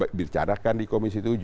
apbnp di bicarakan di komisi tujuh